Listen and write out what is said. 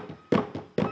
di tempat lain